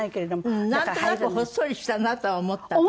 なんとなくほっそりしたなとは思った私。